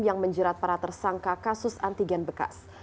yang menjerat para tersangka kasus antigen bekas